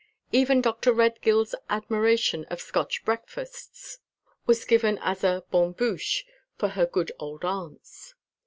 Even Dr. Redgill's admiration of Scotch breakfasts was given as a bonne bouche for her good old aunts.